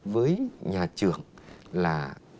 với nhà trường là